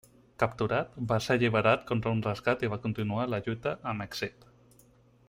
Capturat, va ser alliberat contra un rescat i va continuar la lluita amb èxit.